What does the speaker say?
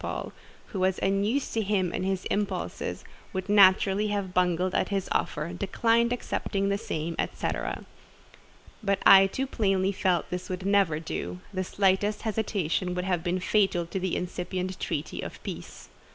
Paul, who was unused to him and his impulses, would naturally have bungled at this offer—declined accepting the same—et cetera. But I too plainly felt this would never do: the slightest hesitation would have been fatal to the incipient treaty of peace.